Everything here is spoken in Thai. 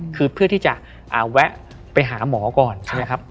คือเพื่อที่จะแวะไปหาหมอก่อนใช่ไหมครับ